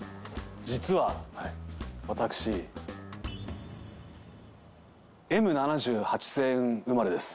実は私、Ｍ７８星雲生まれです。